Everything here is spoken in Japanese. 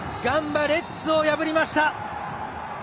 ガンバ、レッズを破りました。